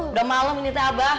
udah malam ini teh abah